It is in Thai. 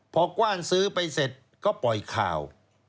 พอกว้านซื้อไปเสร็จก็ปล่อยข่าว